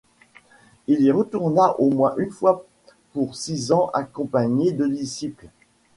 Il y retourna au moins une fois pour six ans accompagné de disciples.